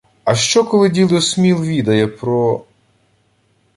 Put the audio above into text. — А що, коли дідо Сміл відає про...